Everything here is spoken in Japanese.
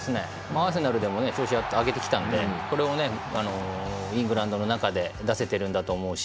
アーセナルでも調子を上げてきたのでそれをイングランドの中で出せているんだと思うし。